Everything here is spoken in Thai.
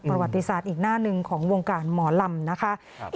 ประวัติศาสตร์อีกหน้าหนึ่งของวงการหมอลำนะคะ